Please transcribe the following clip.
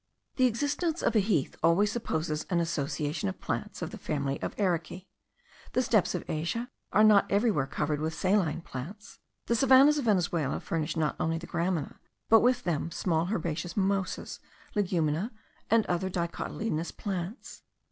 The existence of a heath always supposes an association of plants of the family of ericae; the steppes of Asia are not everywhere covered with saline plants; the savannahs of Venezuela furnish not only the gramina, but with them small herbaceous mimosas, legumina, and other dicotyledonous plants.